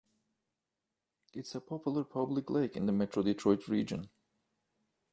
It is a popular public lake in the Metro Detroit region.